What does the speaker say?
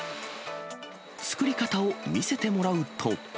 作り方を見せてもらうと。